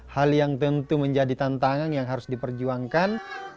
hal yang tentu menjadi tantangan yang harus diperjuangkan